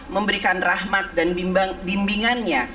memberikan rahmat dan bimbingannya